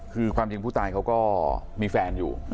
คือความจริงผู้ตายเขาก็มีแฟนอยู่